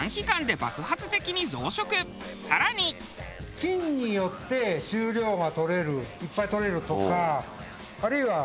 菌によって収量が採れるいっぱい採れるとか。